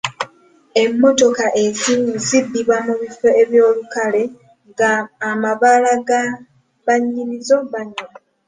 Emmotoka ezimu zibbibwa mu bifo by'olukale nga amabaala nga bannyinizo banywa.